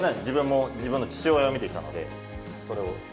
自分も自分の父親を見てきたのでそれを。